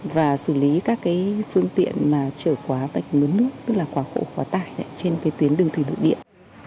và xử lý các phương tiện trở khóa bạch mướn nước tức là quả khổ quả tải trên tuyến đường thủy lựa điện